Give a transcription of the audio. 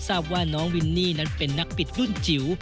ทราบว่าน้องวินนี่นั้นเป็นนักปิดรุ่นจิ๋ว